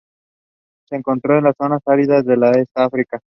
Es encontrado en las zonas áridas del este de África.